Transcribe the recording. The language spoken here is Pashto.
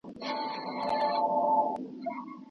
د ښوونکو لپاره د روزنې لنډمهاله کورسونه نه وو.